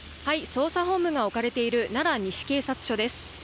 捜査本部が置かれている奈良西警察署です